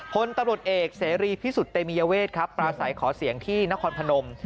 พลตำรวจเอกเสรีพิสุทธิ์เตมียเวทครับปราศัยขอเสียงที่นครพนม